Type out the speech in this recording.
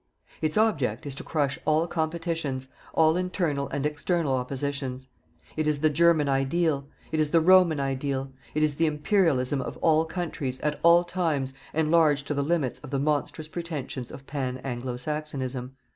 Its object is to crush all competitions, all internal and external oppositions. It is the German Ideal; it is the Roman Ideal. It is the Imperialism of all countries, at all times, enlarged to the limits of the monstrous pretensions of Pan Anglo Saxonism.